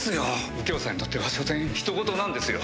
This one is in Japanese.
右京さんにとってはしょせんひと事なんですよ。